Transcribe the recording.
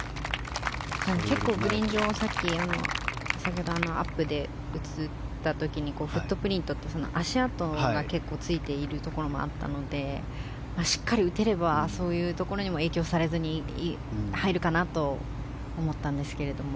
グリーン上先ほどアップで映った時にフットプリントって足跡が結構ついているところもあったのでしっかり打てればそういうところにも影響されずに入るかなと思ったんですけれども。